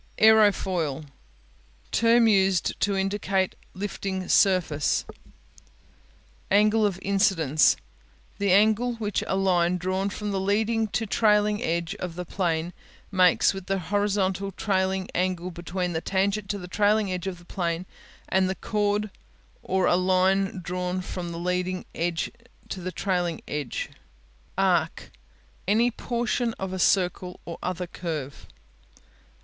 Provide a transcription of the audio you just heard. Aerofoil Term used to indicate lifting surface, Angle of Incidence The angle which a line drawn from the leading to the trailing edge of the plane makes with the horizontal trailing angle between the tangent to the trailing edge of the plane and the chord or a line drawn from the leading to the trailing edge. Arc Any portion of a circle or other curve.